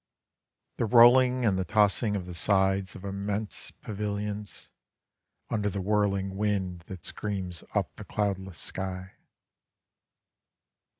The rolling and the tossing of the sides of immense pavilions Under the whirling wind that screams up the cloudless sky.